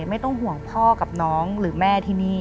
ไม่ต้องห่วงพ่อกับน้องหรือแม่ที่นี่